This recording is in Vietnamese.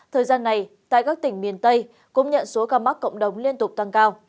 thời gian này tại các tỉnh miền tây cũng nhận số ca mắc cộng đồng liên tục tăng cao